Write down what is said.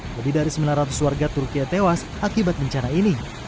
lebih dari sembilan ratus warga turki tewas akibat bencana ini